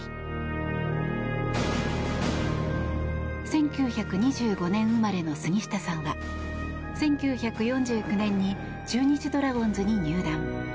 １９２５年生まれの杉下さんは１９４９年に中日ドラゴンズに入団。